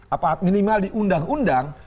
apa minimal di undang undang